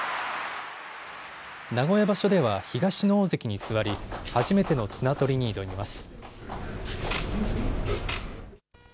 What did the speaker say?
名古屋場所では東の大関に座り初めての綱とりに挑みます。